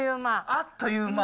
あっという間。